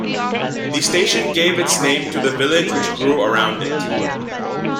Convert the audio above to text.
The station gave its name to the village which grew around it.